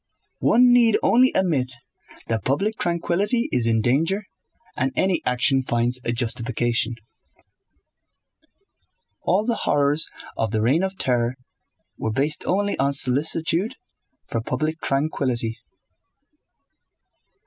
One need only admit that public tranquillity is in danger and any action finds a justification. All the horrors of the reign of terror were based only on solicitude for public tranquillity.